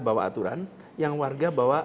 bawa aturan yang warga bawa